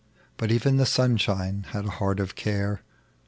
But even the sunshine had a heart of care.